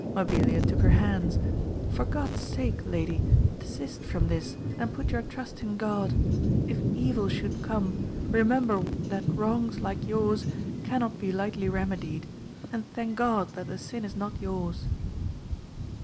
Mahilia took her hands, For God's sake, lady, desist from this, and put your trust in God ! if evil should come, remember that wrongs like yours cannot be lightly remedied, and thank God that the sin is not yours.